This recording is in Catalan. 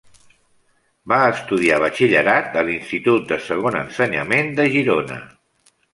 Va estudiar batxillerat a l'institut de Segon Ensenyament de Girona.